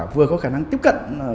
vừa có khả năng tiếp cận